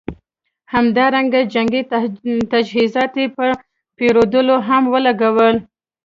همدارنګه یې جنګي تجهیزاتو په پېرودلو هم ولګول.